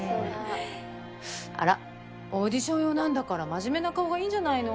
あらオーディション用なんだから真面目な顔がいいんじゃないの？